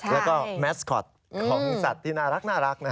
แล้วก็แมสคอตของสัตว์ที่น่ารัก